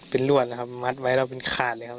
เป็นรวดนะครับมัดไว้แล้วเป็นขาดเลยครับ